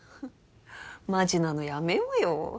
マジなのやめようよ。